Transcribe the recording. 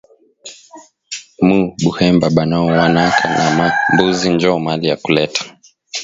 Mu buhemba banaowanaka na ma mbuzi njo mali ya kuleta